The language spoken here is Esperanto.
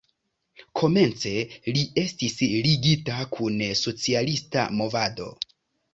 Komence li estis ligita kun socialista movado.